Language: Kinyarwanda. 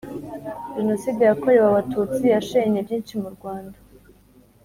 jenoside yakorewe Abatutsi yashenye byinshi mu Rwanda